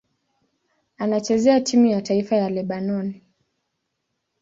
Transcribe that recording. Anachezea timu ya taifa ya Lebanoni.